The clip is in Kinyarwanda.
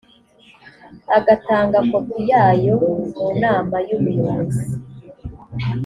agatanga kopi yayo mu nama y ubuyobozi